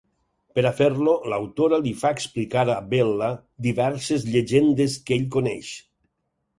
Per a fer-lo, l'autora li fa explicar a Bella diverses llegendes que ell coneix.